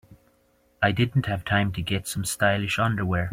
I didn't have time to get some stylish underwear.